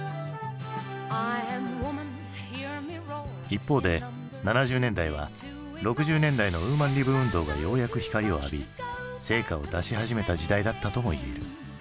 一方で７０年代は６０年代のウーマン・リブ運動がようやく光を浴び成果を出し始めた時代だったともいえる。